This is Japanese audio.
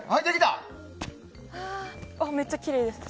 めっちゃきれいです。